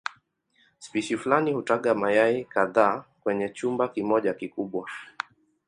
Spishi fulani hutaga mayai kadhaa kwenye chumba kimoja kikubwa.